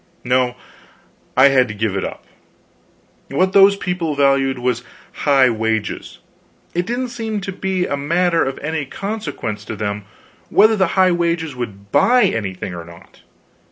No, I had to give it up. What those people valued was high wages; it didn't seem to be a matter of any consequence to them whether the high wages would buy anything or not.